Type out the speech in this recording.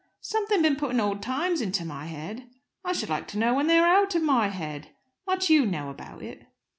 "Something been putting old times into my head? I should like to know when they're out of my head! Much you know about it!"